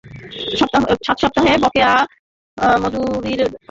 সাত সপ্তাহের বকেয়া মজুরির দাবির পাশাপাশি তাঁদের আরও কিছু দাবি আছে।